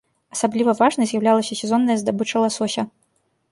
Асабліва важнай з'яўлялася сезонная здабыча ласося.